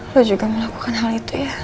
gue juga melakukan hal itu ya